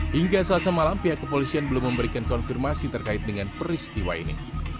hingga selasa malam pihak kepolisian belum memberikan konfirmasi terkait dengan peristiwa ini